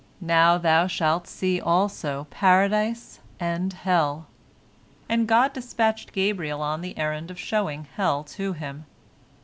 Now thou shalt see also Paradise and hell," and God dispatched Gabriel on the errand of showing hell to him.